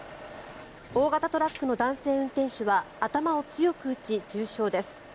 大型トラックの男性運転手は頭を強く打ち、重傷です。